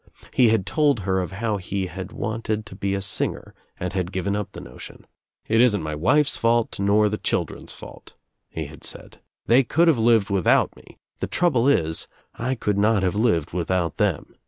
He had told her of how he had wanted to be a singer and had given up the notion, "It isn't my wife's fault nor the children's fault," he had said. "They could have lived without me. The trouble is I could not have lived without them.